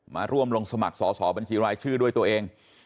มาร่วมลงสมัครสอสอบัญชีรายชื่อด้วยตัวเอง